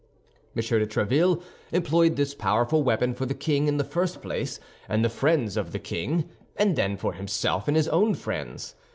M. de Tréville employed this powerful weapon for the king, in the first place, and the friends of the king—and then for himself and his own friends.